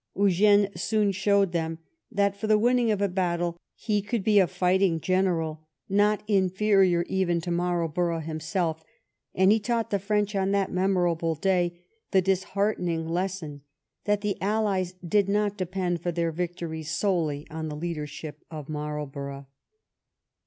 Eugene soon showed that for the winning of a battle he could be a fighting general not inferior even to Marlborough himself, and he taught the French on that memorable day the disheartening lesson that the allies did not depend for their victories solely on the leadership of Marlborough.